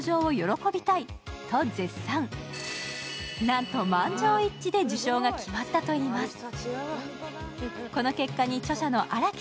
なんと満場一致で受賞が決まったといいます。